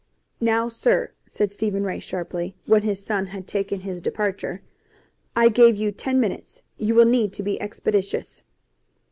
"Now, sir," said Stephen Ray sharply, when his son had taken his departure. "I gave you ten minutes. You will need to be expeditious."